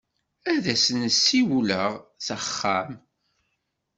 Ad as-n-siwleɣ s axxam.